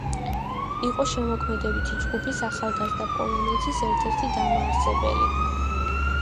იყო შემოქმედებითი ჯგუფის „ახალგაზრდა პოლონეთის“ ერთ–ერთი დამაარსებელი.